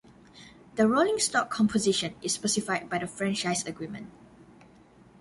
The rolling stock composition is specified by the franchise agreement.